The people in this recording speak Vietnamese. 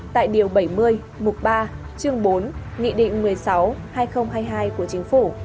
tại điều bảy mươi mục ba chương bốn nghị định một mươi sáu hai nghìn hai mươi hai của chính phủ